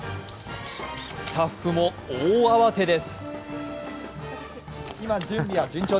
スタッフも大慌てです。